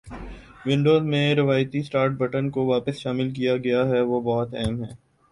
Windows میں روایتی start button کو واپس شامل کیا گیا ہے وہ بہت أہم ہیں